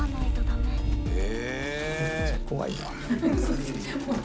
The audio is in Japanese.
めっちゃ怖い。